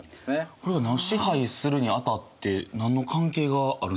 これを支配するにあたって何の関係があるんですか？